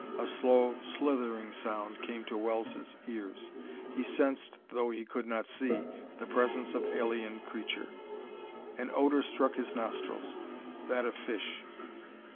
A slow, slithering sound came to Wells' ears. He sensed, though he could not see, the presence of alien creature. An odor struck his nostrils that of fish....